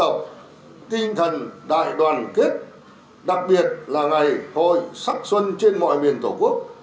tổ chức tinh thần đại đoàn kết đặc biệt là ngày hội sắc xuân trên mọi miền tổ quốc